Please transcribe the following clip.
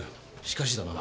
しかしだな。